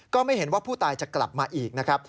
ก็ไม่เห็นว่าผู้ตายจะกลับมาอีกนะครับ